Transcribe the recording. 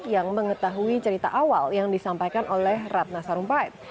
yang mengetahui cerita awal yang disampaikan oleh ratna sarumpait